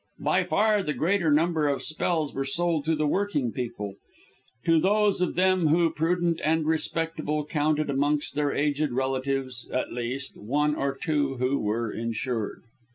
By far the greater number of spells were sold to the working people to those of them who, prudent and respectable, counted amongst their aged relatives, at least, one or two who were insured.